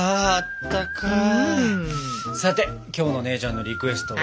さて今日の姉ちゃんのリクエストは？